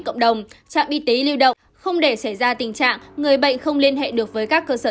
cộng đồng trạm y tế lưu động không để xảy ra tình trạng người bệnh không liên hệ được với các cơ sở